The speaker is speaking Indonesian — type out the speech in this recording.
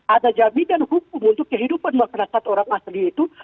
ada jaminan hukum untuk kehidupan masyarakat orang asli itu